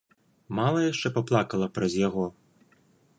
Мала яшчэ паплакала праз яго?